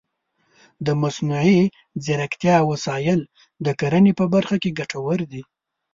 د مصنوعي ځیرکتیا وسایل د کرنې په برخه کې ګټور دي.